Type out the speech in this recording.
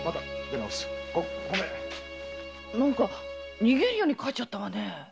なんか逃げるように帰っちゃったわねえ。